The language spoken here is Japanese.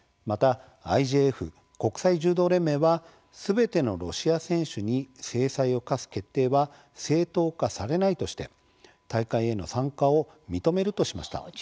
またＩＪＦ・国際柔道連盟は「すべてのロシア選手に制裁を科す決定は正当化されない」として大会への参加を認めるとしました。